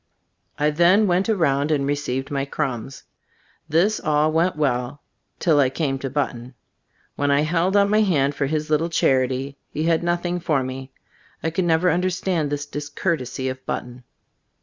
I then went around and received my crumbs. This all went well till I came to But ton. When I held out my hand for his little charity, he had nothing for Gbe Storg of Ay Gbf ftbooft 27 me. I could never understand this discourtesy of Button.